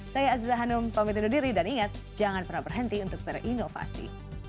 saya aziza hanum pamit undur diri dan ingat jangan pernah berhenti untuk berinovasi